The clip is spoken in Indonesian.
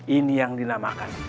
ini yang dinamakan